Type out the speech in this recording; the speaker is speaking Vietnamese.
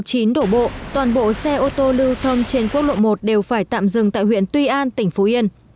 khi bão số chín đổ bộ toàn bộ xe ô tô lưu thông trên quốc lộ một đều phải tạm dừng tại huyện tuy an tỉnh phú yên